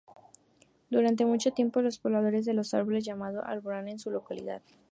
Durante mucho tiempo, los pobladores de Los Árboles llamó Albardón a su localidad.